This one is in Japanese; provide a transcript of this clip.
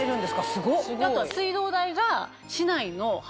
すごっ！